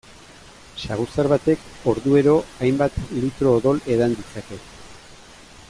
Saguzar batek orduero hainbat litro odol edan ditzake.